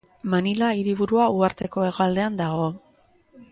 Manila hiriburua uharteko hegoaldean dago.